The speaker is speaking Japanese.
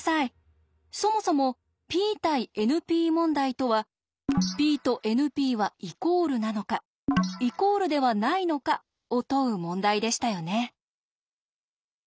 そもそもＰ対ＮＰ問題とはＰとＮＰはイコールなのかイコールではないのかを問う問題でしたよね。